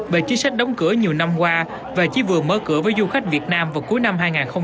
về chính sách đóng cửa nhiều năm qua và chỉ vừa mở cửa với du khách việt nam vào cuối năm hai nghìn hai mươi ba